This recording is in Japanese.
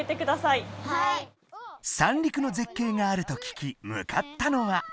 三陸の絶景があると聞き向かったのは。